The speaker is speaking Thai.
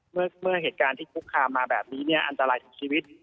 เมื่อเหตุการณ์ที่คุกคามมาแบบนี้เนี่ยอันตรายถึงชีวิต